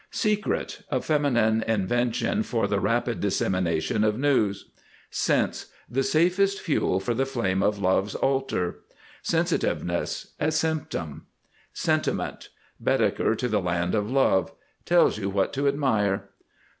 SECRET. A feminine invention for the rapid dissemination of news. SENSE. The safest fuel for the flame on Love's Altar. SENSITIVENESS. A symptom. SENTIMENT. Baedeker to the Land of Love. Tells you what to admire.